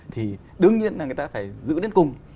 thì đương nhiên là người ta phải giữ đến cùng